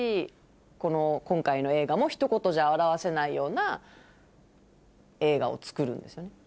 この今回の映画もひと言じゃ表せないような映画を作るんですよね。